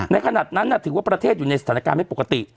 ขนาดนั้นถือว่าประเทศอยู่ในสถานการณ์ไม่ปกติ